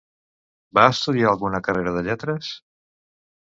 Va estudiar alguna carrera de lletres?